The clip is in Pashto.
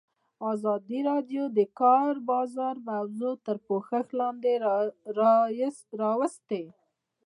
ازادي راډیو د د کار بازار موضوع تر پوښښ لاندې راوستې.